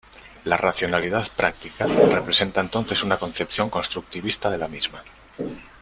La racionalidad práctica representa entonces una concepción constructivista de la misma.